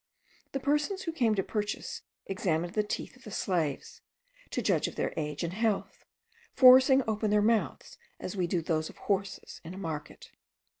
The persons who came to purchase examined the teeth of these slaves, to judge of their age and health; forcing open their mouths as we do those of horses in a market.